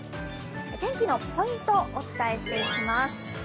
天気のポイントお伝えしていきます。